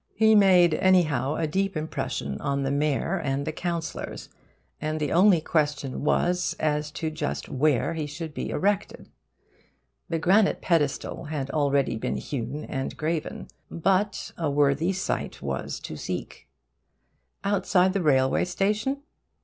He made, anyhow, a deep impression on the mayor and councillors, and the only question was as to just where he should be erected. The granite pedestal had already been hewn and graven; but a worthy site was to seek. Outside the railway station?